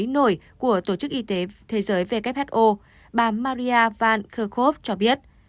trưởng đổi của tổ chức y tế thế giới who bà maria van kerkhove cho biết